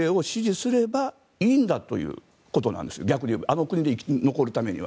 あの国で生き残るためには。